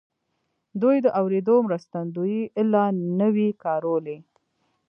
دوی د اورېدو مرستندويي الې نه وې کارولې.